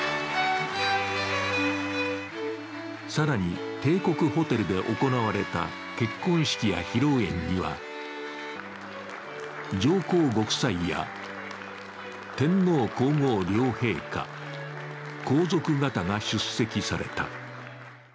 更に、帝国ホテルで行われた結婚式や披露宴には上皇ご夫妻や天皇・皇后両陛下、皇族方が出席された。